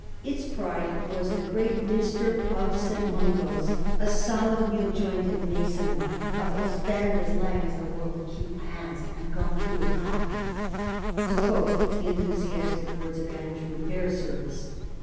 Its pride was the great minster of St. Mungo's, ^a solid, weel jointed mason wark, that will stand as lang as the warld keep hands and gun powther aff it,' to quote the enthusiastic words of Andrew Fairservice.